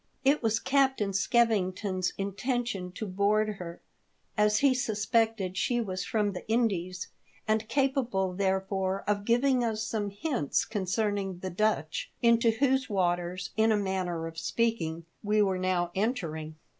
It was Captain Skevington's intention to board her, as he suspected she was from the Indies, and capable therefore of giving us some hints concerning the Dutch, into whose waters, in a manner of speaking, v/e were now entering.